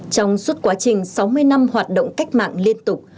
trong suốt quá trình sáu mươi năm hoạt động cách mạng liên tục